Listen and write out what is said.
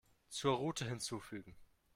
Zur Route hinzufügen.